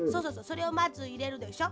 それをまずいれるでしょ。